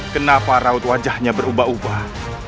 kenapa raut wajahnya berubah ubah